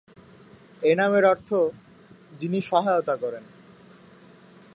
এ নামের অর্থ "যিনি সহায়তা করেন"।